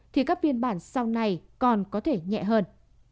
thì các biên bản sau này còn có thể nhẹ hơn